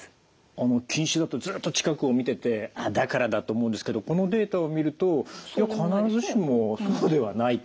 あの近視だとずっと近くを見ててだからだと思うんですけどこのデータを見ると必ずしもそうではないと。